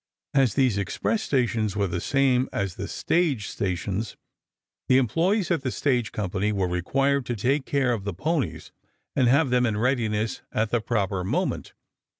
As these express stations were the same as the stage stations, the employes of the stage company were required to take care of the ponies and have them in readiness at the proper moment.